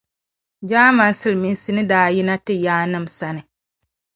Jaamani Siliminsi ni daa yina ti yaanim saha.